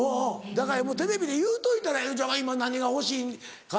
だからテレビで言うといたらええのちゃうか今何が欲しいか。